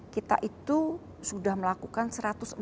kita itu sudah melakukan satu ratus empat puluh